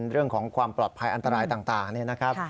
เรื่องของความปลอดภัยอันตรายต่างนี่นะครับ